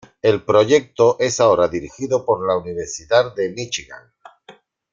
El proyecto es ahora dirigido por la Universidad de Míchigan.